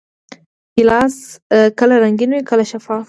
ګیلاس کله رنګین وي، کله شفاف.